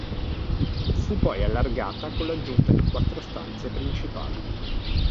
Fu poi allargata con l'aggiunta di quattro stanze principali.